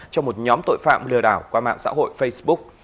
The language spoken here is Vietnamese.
cho một nhóm tội phạm lừa đảo qua mạng xã hội facebook